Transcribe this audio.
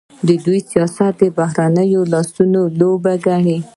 دوی سیاست د بهرنیو د لاسونو لوبه ګڼي.